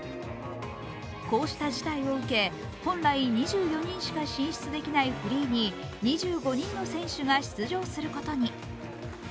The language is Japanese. こうした事態を受け、本来２４人しか進出できないフリーに２５人の選手が出場することに。